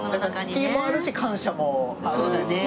好きもあるし感謝もあるし。